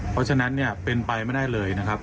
เพราะฉะนั้นเนี่ยเป็นไปไม่ได้เลยนะครับ